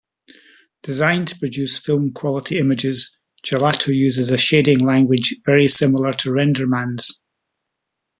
Designed to produce film-quality images, Gelato uses a shading language very similar to RenderMan's.